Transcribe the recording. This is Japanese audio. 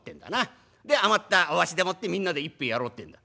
で余った御足でもってみんなで一杯やろうってんだ」。